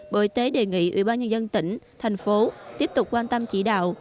bộ y tế đề nghị ủy ban nhân dân tỉnh thành phố tiếp tục quan tâm chỉ đạo